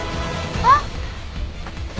あっ！